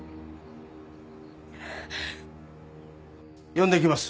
呼んできます。